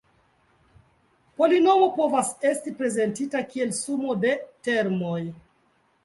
Polinomo povas esti prezentita kiel sumo de termoj.